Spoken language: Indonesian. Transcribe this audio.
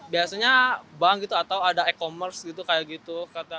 biasanya bank gitu atau ada e commerce gitu kayak gitu